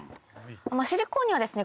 シリコーンにはですね